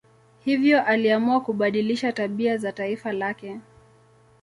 Hivyo aliamua kubadilisha tabia za taifa lake.